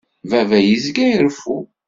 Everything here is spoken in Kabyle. Baba yezga ireffu.